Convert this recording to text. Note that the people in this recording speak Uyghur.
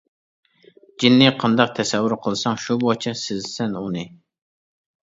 جىننى قانداق تەسەۋۋۇر قىلساڭ، شۇ بويىچە سىزىسەن ئۇنى.